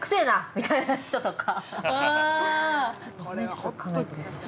みたいな人とか。